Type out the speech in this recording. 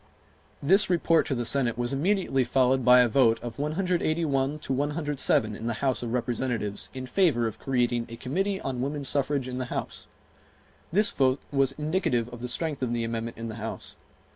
This report to the Senate was immediately followed by a vote of 181 to 107 in the House of Representatives in favor of creating a Committee on Woman Suffrage in the House. This vote was indicative of the strength of the amendment in the House.